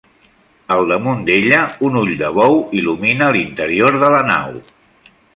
Al damunt d'ella un ull de bou il·lumina l'interior de la nau.